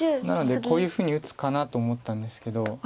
なのでこういうふうに打つかなと思ったんですけど。